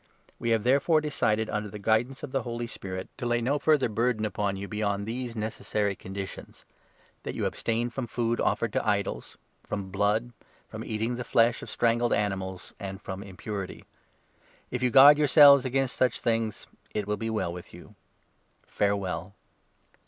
We have, therefore, decided, under the 28 guidance of the Holy Spirit, to lay no further burden 16— isjer. I2. ,5; Amos 9. n — 12; Isa. 45. 21. 244 THE ACTS, 15 16. upon $n evtyond these necessary conditions — that you 29 abstaid tlom food offered to idols, from blood, from eatingjauhe flesh of strangled animals, and from impurP.y. If you guard yourselves against such things, it will be well with you. Farewell.'